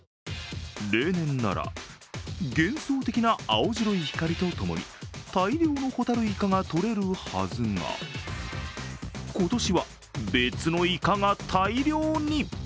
例年なら、幻想的な青白い光とともに大量のホタルイカがとれるはずが今年は別のイカが大量に。